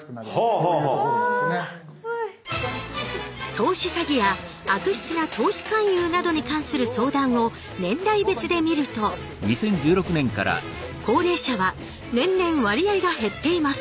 「投資詐欺や悪質な投資勧誘などに関する相談」を年代別で見ると高齢者は年々割合が減っています。